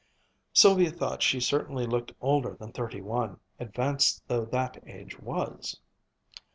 Sylvia thought she certainly looked older than thirty one, advanced though that age was.